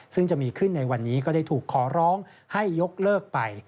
ซึ่งจะมีขึ้นในวันนี้ก็ได้ถูกขอร้องให้ยกเลิกไป